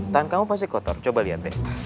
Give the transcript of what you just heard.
tangan kamu pasti kotor coba lihat deh